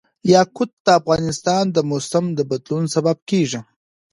یاقوت د افغانستان د موسم د بدلون سبب کېږي.